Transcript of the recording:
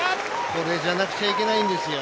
これじゃなくちゃいけないんですよ。